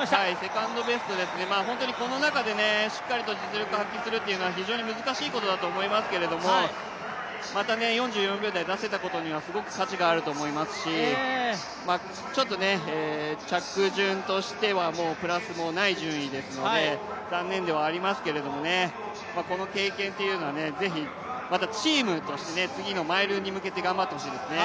セカンドベストですね、この中でしっかりと実力を発揮するというのは非常に難しいことだと思いますけれども、また４４秒台を出せたことにはすごく価値があると思いますし、ちょっと着順としてはプラスもない順位ですので残念ではありますけれども、この経験というのはぜひ、またチームとして次のマイルに向けて頑張ってもらいたいですね。